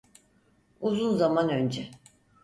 Uzun zaman önce.